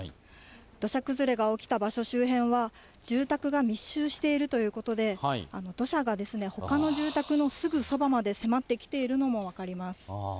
土砂崩れが起きた場所周辺は、住宅が密集しているということで、土砂がほかの住宅のすぐそばまで迫ってきているのも分かります。